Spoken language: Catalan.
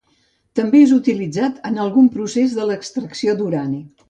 També és utilitzat en algun procés de l'extracció d'Urani.